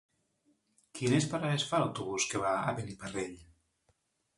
Quines parades fa l'autobús que va a Beniparrell?